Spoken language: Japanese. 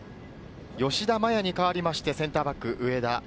吉田麻也に代わりましてセンターバック・植田。